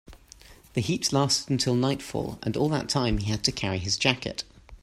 The heat lasted until nightfall, and all that time he had to carry his jacket.